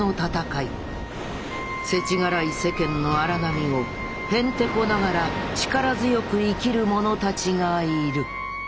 せちがらい世間の荒波をへんてこながら力強く生きる者たちがいる。